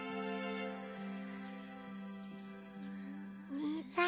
兄ちゃん。